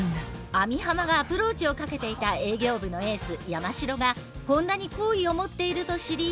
網浜がアプローチをかけていた営業部のエース山城が本田に好意を持っていると知り。